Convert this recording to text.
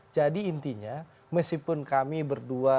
jadi intinya meskipun kami berdua